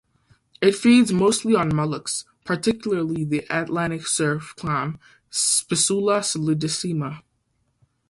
It feeds mostly on molluscs, particularly the Atlantic surf clam "Spisula solidissima".